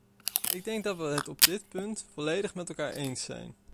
Ik denk dat we het op dit punt volledig met elkaar eens zijn.